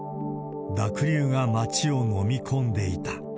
濁流が町をのみ込んでいた。